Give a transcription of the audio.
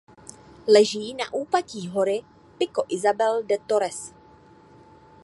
Leží na úpatí hory Pico Isabel de Torres.